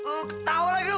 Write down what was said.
oh ketawa lagi lu